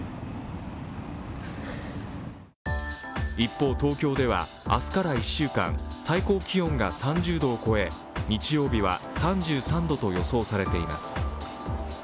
一方、東京では明日から１週間最高気温が３０度を超え日曜日は３３度と予想されています。